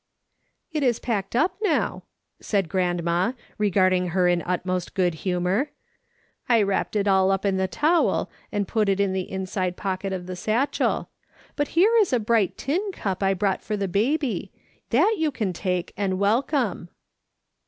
" It is packed up now," said grandma, regarding her in utmost good humour. " I wrapped it all up in the towel, and put it in the inside pocket of the satchel ; but here is a bright tin cup I bought for the baby ; that you can take, and welcome."